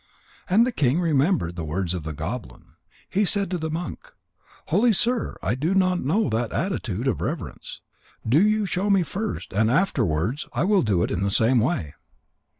And the king remembered the words of the goblin. He said to the monk: "Holy sir, I do not know that attitude of reverence. Do you show me first, and afterwards I will do it in the same way."